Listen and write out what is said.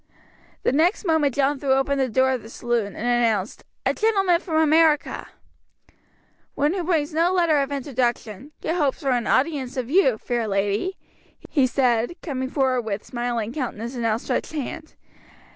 The next moment John threw open the door of the saloon and announced, "A gentleman from America!" "One who brings no letter of introduction; yet hopes for an audience of you, fair lady," he said, coming forward with smiling countenance and outstretched hand.